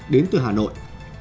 đến từ hà nội